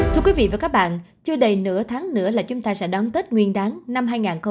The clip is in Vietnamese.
thưa quý vị và các bạn chưa đầy nửa tháng nữa là chúng ta sẽ đón tết nguyên đáng năm hai nghìn hai mươi bốn